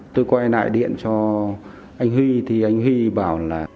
tôi quay lại điện cho anh huy thì anh huy bảo là